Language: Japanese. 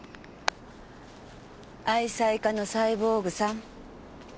愛妻家のサイボーグさん。